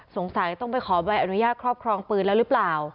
สงสัยต้องไปขอใบอนุญาตครอบครองปืนแล้วหรือเปล่า